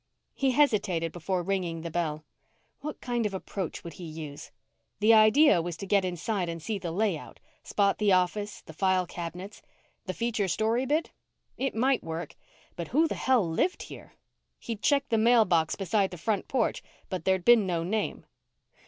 He hesitated before ringing the bell. What kind of an approach would he use? The idea was to get inside and see the layout spot the office, the file cabinets. The feature story bit? It might work, but who the hell lived here? He'd checked the mailbox beside the front porch but there'd been no name.